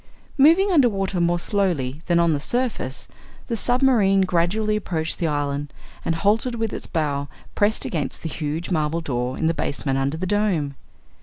Moving under water more slowly than on the surface, the submarine gradually approached the island and halted with its bow pressed against the huge marble door in the basement under the Dome.